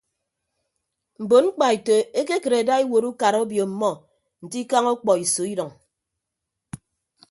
Mbon mkpaeto ekekịt ada iwuot ukara obio ọmmọ nte ikañ ọkpọiso idʌñ.